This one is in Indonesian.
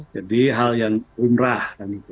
jadi hal yang rumrah